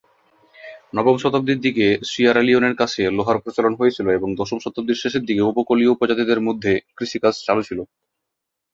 নবম শতাব্দীর দিকে সিয়েরা লিওনের কাছে লোহার প্রচলন হয়েছিল এবং দশম শতাব্দীর শেষের দিকে উপকূলীয় উপজাতিদের মধ্যে কৃষিকাজ চালু ছিল।